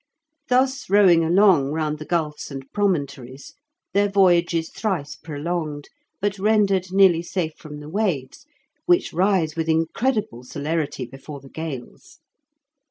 Thus rowing along round the gulfs and promontories, their voyage is thrice prolonged, but rendered nearly safe from the waves, which rise with incredible celerity before the gales.